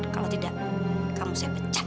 kalau tidak kamu saya pecat